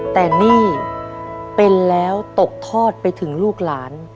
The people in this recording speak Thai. แต่นี่เป็นแล้วตกทอดไปถึงลูกหลาน